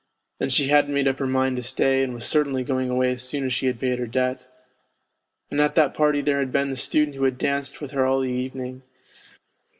and she hadn't made up her mind to stay and was certainly going away as soon as she had paid her debt ..." and at that party there had been the student who had danced with her all the evening.